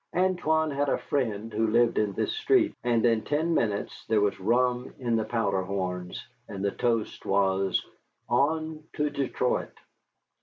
Antoine had a friend who lived in this street, and in ten minutes there was rum in the powder horns, and the toast was "On to Detroit!"